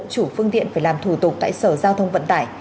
chủ phương tiện phải làm thủ tục tại sở giao thông vận tải